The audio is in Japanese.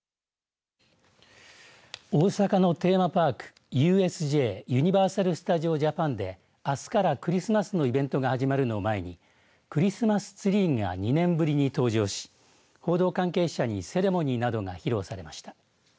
大阪のテーマパークＵＳＪ＝ユニバーサル・スタジオ・ジャパンであすからクリスマスのイベントが始まるのを前にクリスマスツリーが２年ぶりに登場し報道関係者にセレモニーなどが披露されました。